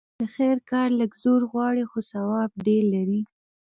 د خير کار لږ زور غواړي؛ خو ثواب ډېر لري.